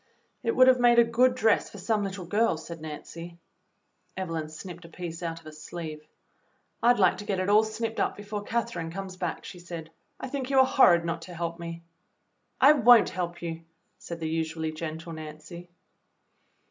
"It would have made a good dress for some little girl," said Nancy. Evelyn snipped a piece out of a sleeve. "I'd like to get it all snipped up before Catherine comes back," she said. "I think you are horrid not to help me." "I won't help you," said the usually gentle Nancy.